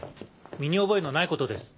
身に覚えのないことです。